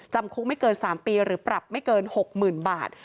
จำคุกไม่เกิน๓ปีหรือปรับไม่เกิน๖๐๐๐บาท